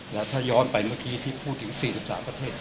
แล้วถ้าย้อนไปเมื่อกี้ที่พูดถึง๔๓ประเทศ